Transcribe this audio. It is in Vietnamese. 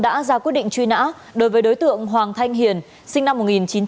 đã ra quyết định truy nã đối với đối tượng hoàng thanh hiền sinh năm một nghìn chín trăm tám mươi